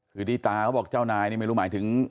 คือยี่ตาเค้าบอกเจ้านายนี่หมายถึง